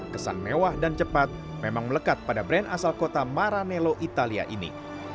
kesan mewah dan cepat memang melekat pada brand asal kota maranelo italia ini